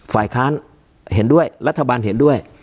ฝ่ายค้านเห็นด้วยรัฐบาลเห็นด้วย